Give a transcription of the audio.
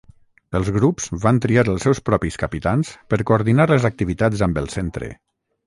Els grups van triar els seus propis capitans per coordinar les activitats amb el centre.